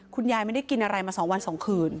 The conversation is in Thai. คุณยายไม่ได้กินอะไรมา๒วัน๒คืน